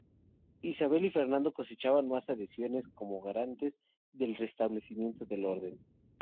Isabel y Fernando cosechaban más adhesiones como garantes del restablecimiento del orden.